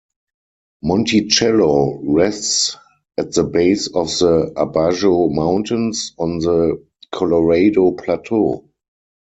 Monticello rests at the base of the Abajo Mountains on the Colorado Plateau.